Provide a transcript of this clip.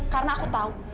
karena aku tahu